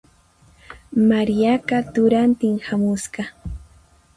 Mariaqa turantin hamusqa.